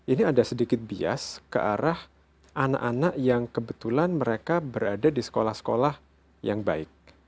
ini ada sedikit bias ke arah anak anak yang kebetulan mereka berada di sekolah sekolah yang baik